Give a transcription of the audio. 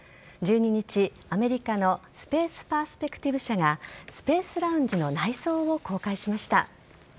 １２日、アメリカのスペース・パースペクティブ社がスペースラウンジの内装を公開しました。